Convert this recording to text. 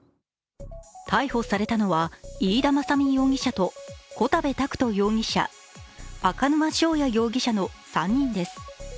逮捕されたのは飯田政実容疑者と小田部拓人容疑者、赤沼翔哉容疑者の３人です。